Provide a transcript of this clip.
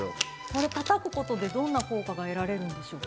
これたたくことでどんな効果が得られるんでしょう。